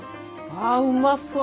あうまそう！